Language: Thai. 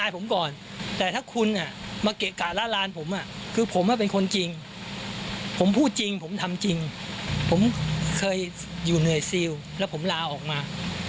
ผมเคยอยู่เหนื่อยซิ้วแล้วผมลาออกมา